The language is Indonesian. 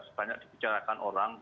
sebanyak dibicarakan orang